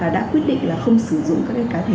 đã quyết định là không sử dụng các cá thể